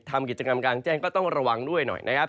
ทำกิจกรรมกลางแจ้งก็ต้องระวังด้วยหน่อยนะครับ